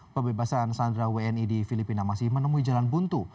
pembebasan sandra wni di filipina masih menemui jalan buntu